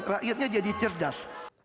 rakyatnya jadi cerdas